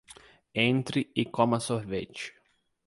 Entre e coma sorvete